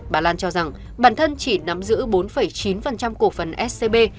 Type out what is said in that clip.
bà lan cho rằng bản thân chỉ nắm giữ bốn chín cổ phần scb